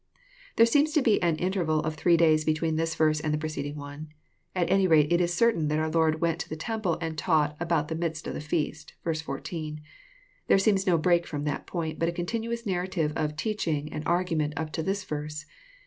ll There seems to be an in terval of three days between this verse and the preceding one. At any rate it is certain that oar Lord went to the temple and taught " about the midst of the feast." (v. 14.) There seems no break from that point, but a continuous narrative of teach ing and argument up to this verse.